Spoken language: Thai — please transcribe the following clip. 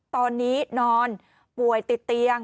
ตอนนี้นอนป่วยติดเตียง